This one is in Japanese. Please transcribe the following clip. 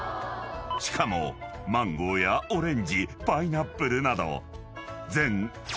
［しかもマンゴーやオレンジパイナップルなど］